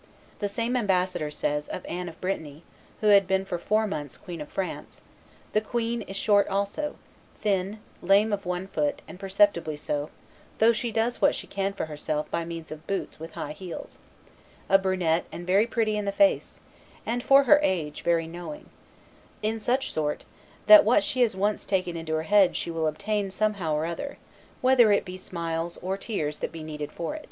The same ambassador says of Anne of Brittany, who had then been for four months Queen of France, "The queen is short also, thin, lame of one foot, and perceptibly so, though she does what she can for herself by means of boots with high heels, a brunette and very pretty in the face, and, for her age, very knowing; in such sort that what she has once taken into her head she will obtain somehow or other, whether it be smiles or tears that be needed for it."